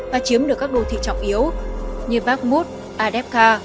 và chiếm được các đô thị trọng yếu như bakhmut adepka